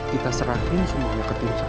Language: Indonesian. kita serahin semuanya ke tintra